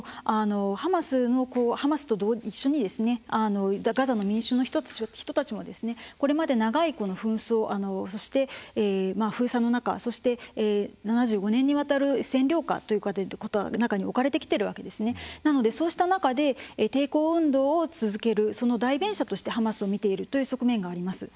ハマスと一緒にガザの民衆の人たちもこれまで長い紛争そして、封鎖の中そして、７５年にわたる占領下に置かれてきているわけなのでそうした中で抵抗運動を続けるその代弁者としてハマスを見ているという側面があります。